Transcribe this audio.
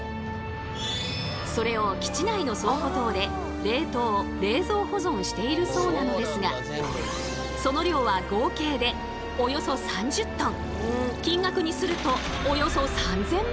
それを基地内の倉庫棟で冷凍・冷蔵保存しているそうなのですがその量は合計でおよそ３０トン。